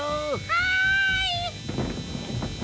はい！